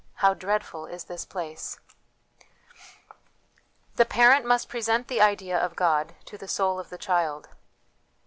How dreadful is this place !" The Parent must present the Idea of God to the Soul of the Child.